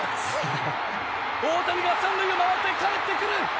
大谷が３塁を回ってかえってくる！